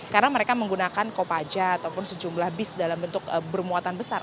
karena mereka menggunakan kopaja ataupun sejumlah bis dalam bentuk bermuatan besar